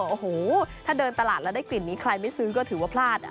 โอ้โหถ้าเดินตลาดแล้วได้กลิ่นนี้ใครไม่ซื้อก็ถือว่าพลาด